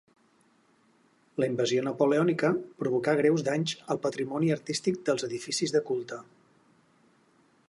La invasió napoleònica provocà greus danys al patrimoni artístic dels edificis de culte.